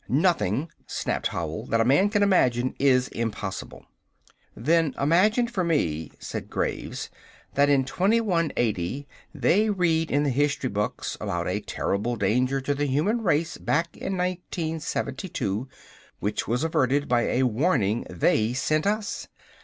"Nothing," snapped Howell, "that a man can imagine is impossible!" "Then imagine for me," said Graves, "that in 2180 they read in the history books about a terrible danger to the human race back in 1972, which was averted by a warning they sent us.